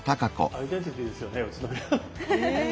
アイデンティティーですよね宇都宮の。